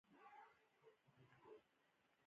د الله اکبر نارې پورته کړې.